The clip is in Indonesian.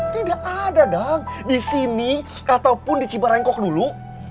tidak ada dang disini ataupun di cibarangkok dulu